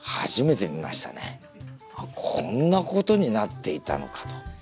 あっこんなことになっていたのかと。